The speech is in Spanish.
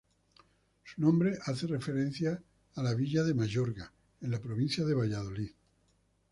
Su nombre hace referencia a la villa de Mayorga, en la provincia de Valladolid.